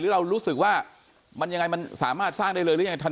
เรารู้สึกว่ามันยังไงมันสามารถสร้างได้เลยหรือยังไง